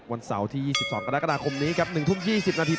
วันเสาร์ที่๒๒กรกฎาคมนี้ครับ๑ทุ่ม๒๐นาที